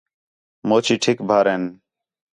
موچی ٹِھک بھار ہِن